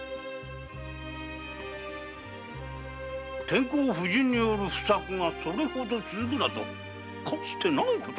天候不順による不作がこれほど続くなどかつてない事。